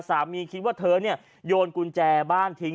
สามีคิดว่าเธอนี่โยนกุญแจบ้านทิ้ง